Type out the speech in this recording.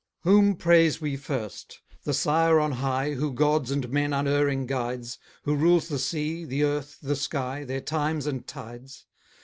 Whom praise we first? the Sire on high, Who gods and men unerring guides, Who rules the sea, the earth, the sky, Their times and tides.